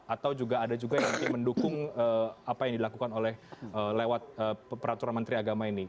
atau juga ada juga yang mendukung apa yang dilakukan oleh lewat peraturan menteri agama ini